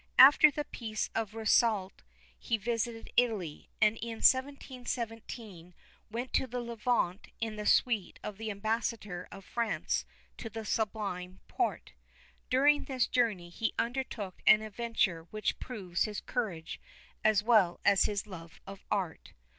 After the Peace of Rastadt he visited Italy, and in 1717 went to the Levant in the suite of the Ambassador of France to the Sublime Porte. During this journey he undertook an adventure which proves his courage as well as his love of art.